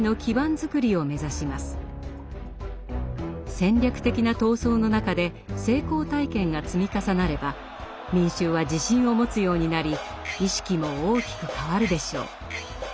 戦略的な闘争の中で成功体験が積み重なれば民衆は自信を持つようになり意識も大きく変わるでしょう。